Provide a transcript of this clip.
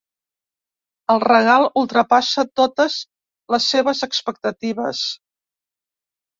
El regal ultrapassa totes les seves expectatives.